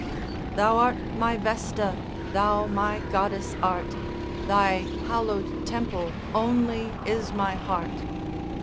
Thou art my Vesta, thou my goddess art, Thy hallowed temple only is my heart.